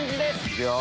いくよ。